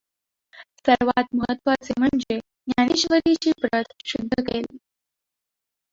सर्वांत महत्त्वाचे म्हणजे ज्ञानेश्वरीची प्रत शुद्ध केली.